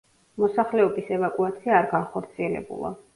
მოსახლეობის ევაკუაცია არ განხორციელებულა.